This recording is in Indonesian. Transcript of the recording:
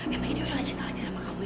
emang dia udah gak cinta lagi sama kamu ya